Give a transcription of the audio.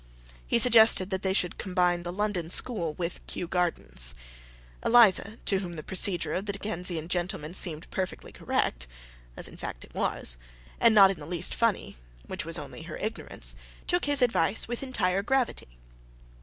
He suggested that they should combine the London School with Kew Gardens. Eliza, to whom the procedure of the Dickensian gentleman seemed perfectly correct (as in fact it was) and not in the least funny (which was only her ignorance) took his advice with entire gravity.